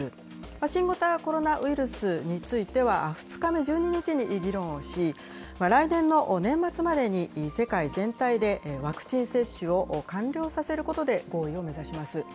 新型コロナウイルスについては、２日目、１２日に議論をし、来年の年末までに、世界全体でワクチン接種を完了させることで合意を目指します。